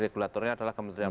regulatornya adalah kementerian